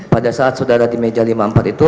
pada saat saudara di meja lima puluh empat itu